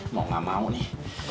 mau gak mau nih